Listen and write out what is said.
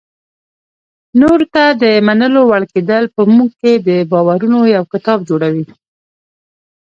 نورو ته د منلو وړ کېدل په موږ کې د باورونو یو کتاب جوړوي.